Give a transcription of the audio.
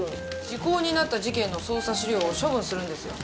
時効になった事件の捜査資料を処分するんですよ。